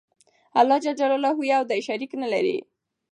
الله ج يو دى شريک نلري